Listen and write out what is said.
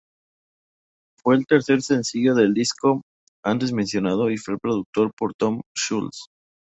Fue el tercer sencillo del disco antes mencionado y fue producido por Tom Scholz.